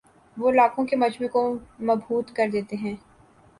وہ لاکھوں کے مجمعے کو مبہوت کر دیتے ہیں